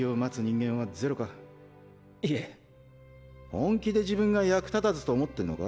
本気で自分が役立たずと思ってんのか？